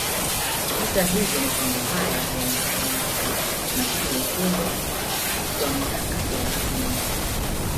Hata hivyo mapango haya yalisahaulika na kutelekezwa kwa miaka thelathini